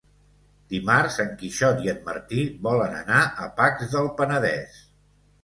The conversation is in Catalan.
Dimarts en Quixot i en Martí volen anar a Pacs del Penedès.